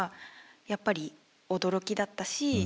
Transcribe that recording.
やっぱり驚きだったし。